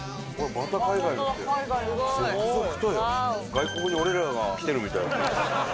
外国に俺らが来てるみたい。